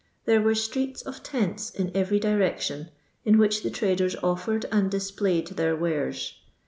There were streets of tents in every direction, in which the traders offered and displayed their wares.